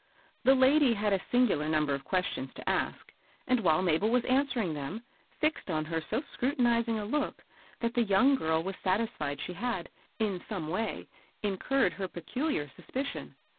The lady had a singular number of questions to ask, and, while Mabel was answering them, fixed on her so scrutini2dng a look, that the young girl was satisfied she had, in some way, incurred her peculiar suspicion.